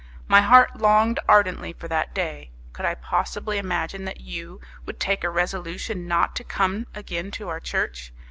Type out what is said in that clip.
My heart longed ardently for that day. Could I possibly imagine that you would take a resolution not to come again to our church!